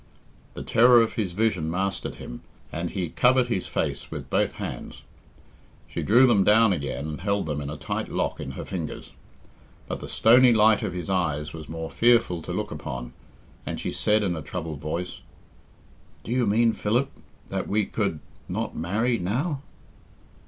The terror of his vision mastered him, and he covered his face with both hands. She drew them down again and held them in a tight lock in her fingers. But the stony light of his eyes was more fearful to look upon, and she said in a troubled voice, "Do you mean, Philip, that we could not marry now?"